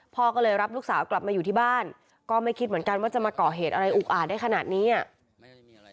พ่อก็เลยรับลูกสาวกลับมาอยู่ที่บ้านก็ไม่คิดเหมือนกันว่าจะมาก่อเหตุอะไรอุกอาจได้ขนาดนี้อ่ะ